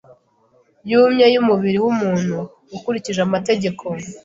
Yumye yumubiri wumuntu Ukurikije amategeko